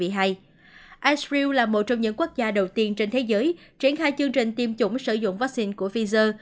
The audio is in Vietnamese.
istram là một trong những quốc gia đầu tiên trên thế giới triển khai chương trình tiêm chủng sử dụng vaccine của pfizer